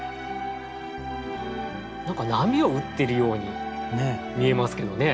何か波を打ってるように見えますけどね。